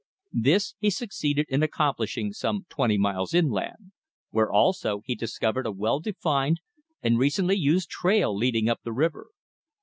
This he succeeded in accomplishing some twenty miles inland, where also he discovered a well defined and recently used trail leading up the river.